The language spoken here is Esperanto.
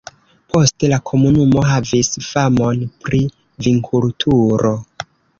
Poste la komunumo havis famon pri vinkulturo.